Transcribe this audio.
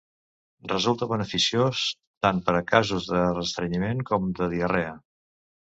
Resulta beneficiós tant per a casos de restrenyiment com de diarrea.